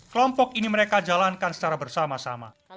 kelompok ini mereka jalankan secara bersama sama